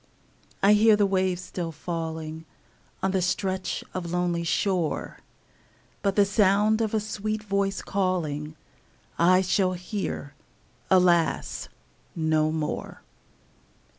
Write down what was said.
I hear the waves still falling On the stretch of lonely shore, But the sound of a sweet voice calling I shall hear, alas! no more.